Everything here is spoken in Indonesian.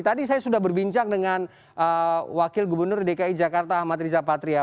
tadi saya sudah berbincang dengan wakil gubernur dki jakarta ahmad riza patria